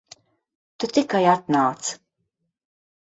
Tu tikai atnāc.